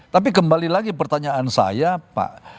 tapi kembali lagi pertanyaan saya pak